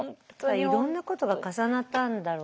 いろんなことが重なったんだろうね。